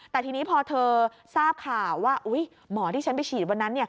แต่ทีนี้พอเธอทราบข่าวว่าหมอที่ฉันไปฉีดวันนั้น